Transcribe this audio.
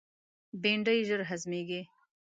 بېنډۍ ژر هضمیږي